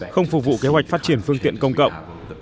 không phục vụ kế hoạch phát triển phương tiện công cộng